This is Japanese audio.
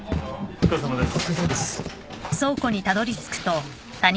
お疲れさまです。